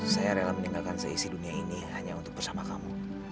saya rela meninggalkan seisi dunia ini hanya untuk bersama kamu